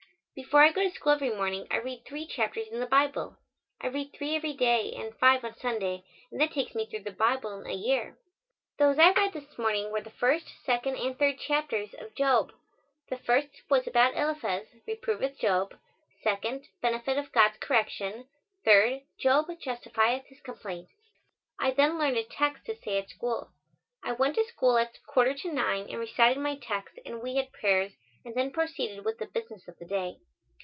Before I go to school every morning I read three chapters in the Bible. I read three every day and five on Sunday and that takes me through the Bible in a year. Those I read this morning were the first, second and third chapters of Job. The first was about Eliphaz reproveth Job; second, Benefit of God's correction; third, Job justifieth his complaint. I then learned a text to say at school. I went to school at quarter to nine and recited my text and we had prayers and then proceeded with the business of the day.